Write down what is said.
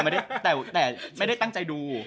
ไม่ได้แต่ไม่ได้ตั้งใจดู